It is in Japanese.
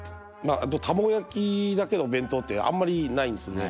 卵焼きだけの弁当ってあんまりないんですよね